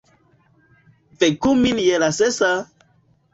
Veku min je la sesa!